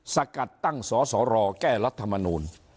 สกัดตั้งสสรแก้รัฐมนูล